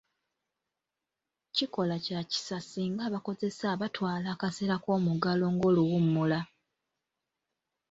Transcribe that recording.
Kikola kya kisa singa abakozesa batwala akaseera k'omuggalo ng'oluwummula.